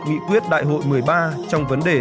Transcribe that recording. nghị quyết đại hội một mươi ba trong vấn đề